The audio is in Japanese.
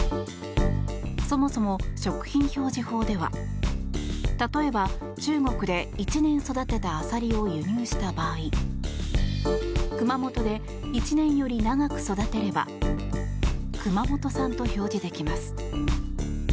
そもそも食品表示法では例えば、中国で１年育てたアサリを輸入した場合熊本で１年より長く育てれば熊本産と表示できます。